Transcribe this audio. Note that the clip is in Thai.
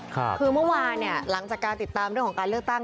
คือเมื่อวานเนี่ยหลังจากการติดตามเรื่องของการเลือกตั้ง